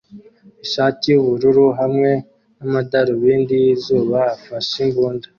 ishati yubururu hamwe n amadarubindi yizuba afashe imbunda